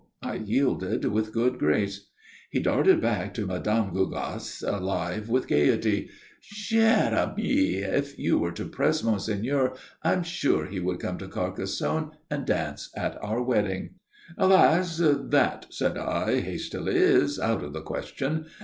I yielded with good grace. He darted back to Mme. Gougasse, alive with gaiety. "Chère amie, if you were to press monseigneur, I'm sure he would come to Carcassonne and dance at our wedding." "Alas! That," said I, hastily, "is out of the question.